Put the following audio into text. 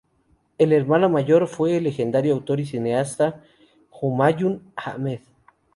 El hermano mayor fue el legendario autor y cineasta Humayun Ahmed.